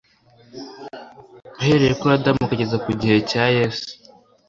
uhereye kuri adamu ukageza igihe cya yesu